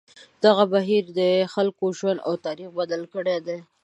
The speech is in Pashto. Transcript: دغه بهیر د خلکو ژوند او تاریخ بدل کړی دی.